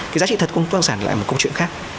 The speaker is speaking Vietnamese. cái giá trị thật cũng tương sản lại một câu chuyện khác